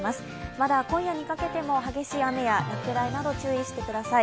まだ今夜にかけても、激しい雨や、落雷など注意してください。